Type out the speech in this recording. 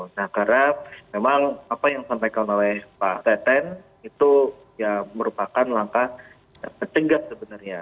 nah karena memang apa yang disampaikan oleh pak teten itu ya merupakan langkah tegas sebenarnya